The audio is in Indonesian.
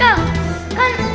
kan itu cuma makanan